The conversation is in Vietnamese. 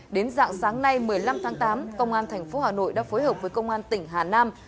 đến dạng sáng nay một mươi năm tháng tám công an thành phố hà nội đã phối hợp với công an tỉnh hà nam